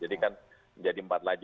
jadi kan menjadi empat lagi